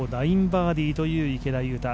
バーディーという池田勇太。